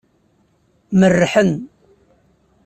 Merrḥen.